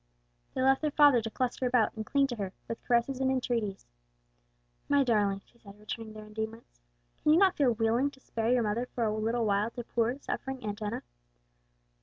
They left their father to cluster about and cling to her, with caresses and entreaties. "My darlings," she said, returning their endearments, "can you not feel willing to spare your mother for a little while to poor, suffering Aunt Enna?"